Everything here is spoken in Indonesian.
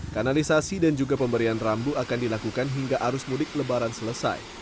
kanalisasi dan juga pemberian rambu akan dilakukan hingga arus mudik lebaran selesai